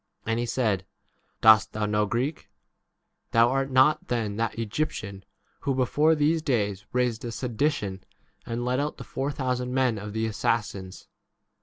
And he said, Dost thou 33 know Greek ? Thou art not then that Egyptian who before these days raised a sedition and led out the four thousand men of the 39 assassins